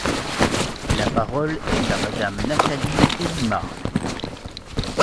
La parole est à Madame Nathalie Elimas.